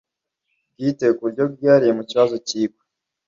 bwite ku buryo bwihariye mu kibazo cyigwa